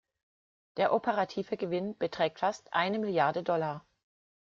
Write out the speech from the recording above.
Der operative Gewinn beträgt fast eine Milliarde Dollar.